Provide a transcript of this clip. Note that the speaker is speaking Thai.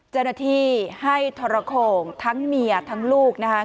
เจ้าหน้าที่ให้ทรโขงทั้งเมียทั้งลูกนะคะ